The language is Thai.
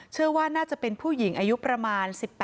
เชื่อว่าน่าจะเป็นผู้หญิงอายุประมาณ๑๘